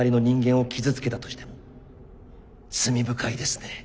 罪深いですね。